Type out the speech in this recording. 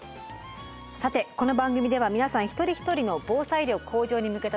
さてこの番組では皆さん一人一人の防災力向上に向けた取り組み